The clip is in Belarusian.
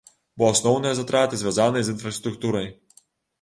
Бо асноўныя затраты звязаныя з інфраструктурай.